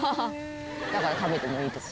だから食べてもいいって事。